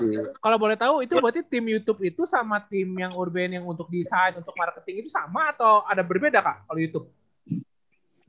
kaka tapi kalau boleh tau itu berarti tim youtube itu sama tim yang urbane yang untuk design untuk marketing itu sama atau ada berbeda kaka kalau youtube